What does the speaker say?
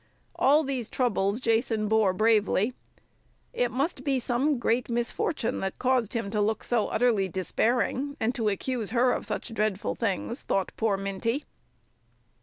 All these troubles Jason bore bravely. It must be some great misfortune that caused him to look so utterly despairing, and to accuse her of such dreadful things, thought poor Minty.